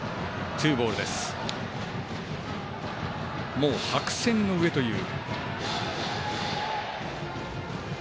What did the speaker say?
もう白線の上という。